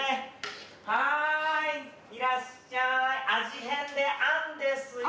はいいらっしゃい味変であんですよ。